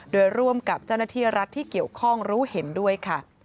โดยร่วมกับเจ้าหน้าที่รัฐที่เกี่ยวข้องรู้เห็นด้วยค่ะ